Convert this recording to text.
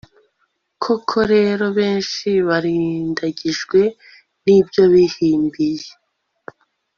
koko rero, benshi barindagijwe n'ibyo bihimbiye